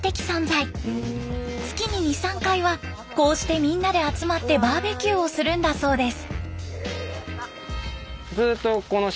月に２３回はこうしてみんなで集まってバーベキューをするんだそうです。